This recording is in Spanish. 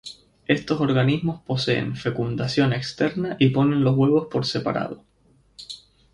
Estos organismos poseen fecundación externa y ponen los huevos por separado.